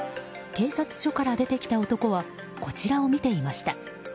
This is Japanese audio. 警察署から出てきた男はこちらを見ていました。